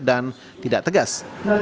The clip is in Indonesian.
dan tidak tegas